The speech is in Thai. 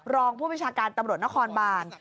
รองผู้บัญชาการตำรวจนครบาน